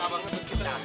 terima kasih ya den